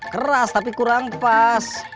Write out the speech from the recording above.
keras tapi kurang pas